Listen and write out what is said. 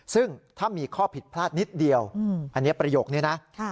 ซึ่งถ้ามีข้อผิดพลาดนิดเดียวอันนี้ประโยคนี้นะ